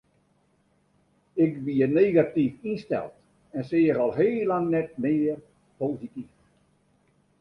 Ik wie negatyf ynsteld en seach al heel lang neat mear posityf.